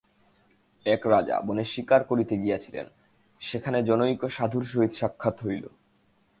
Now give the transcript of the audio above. এক রাজা বনে শিকার করিতে গিয়াছিলেন, সেখানে জনৈক সাধুর সহিত সাক্ষাৎ হইল।